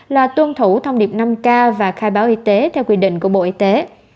là tuân thủ thông điệp năm k và khai báo y tế theo quy định của bộ y tế